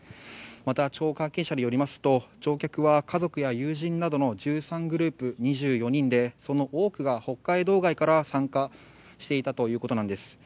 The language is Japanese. また、町関係者によりますと乗客は家族や友人などの１３グループ２４人でその多くが北海道外から参加していたそうです。